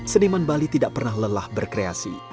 seniman bali tidak pernah lelah berkreasi